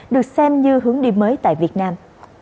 được xem như hướng đi mới tại việt nam